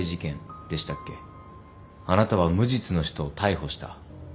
あなたは無実の人を逮捕した。